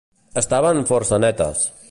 Estaven força netes.